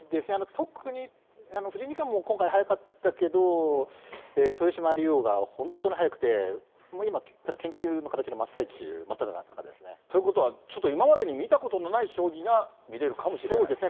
特に藤井二冠も今回、早かったけど、豊島竜王が本当に早くて、もう今、研究の形の真っ最中、真っただ中ですね。ということは、ちょっと今までに見たことのない将棋が見れるそうですね。